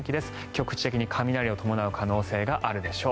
局地的に雷を伴う可能性があるでしょう。